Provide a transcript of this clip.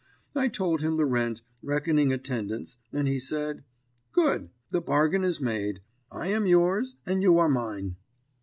I told him the rent, reckoning attendance, and he said: "'Good. The bargain is made. I am yours, and you are mine.'